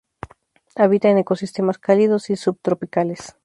Habita en ecosistemas cálidos y subtropicales.